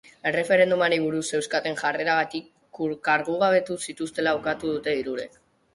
Erreferendumari buruz zeukaten jarreragatik kargugabetu zituztela ukatu dute hirurek.